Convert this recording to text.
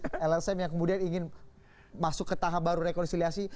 ada juga aktivis aktivis lrc yang kemudian ingin masuk ke tahap baru rekonsiliasi